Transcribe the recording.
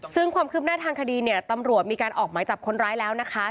ซึ่งความคืบหน้าทางคดีเนี่ยตำรวจมีการออกหมายจับคนร้ายแล้วนะคะ